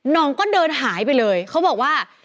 น้องก็เดินหายไปเลยเขาบอกว่า